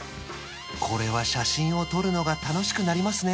これは写真を撮るのが楽しくなりますね